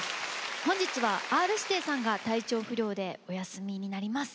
本日はＲ−指定さんが体調不良でお休みになります。